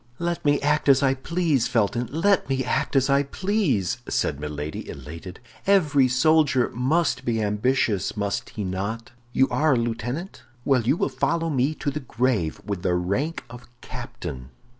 "Let me act as I please, Felton, let me act as I please," said Milady, elated. "Every soldier must be ambitious, must he not? You are a lieutenant? Well, you will follow me to the grave with the rank of captain."